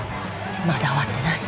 まだ終わってない。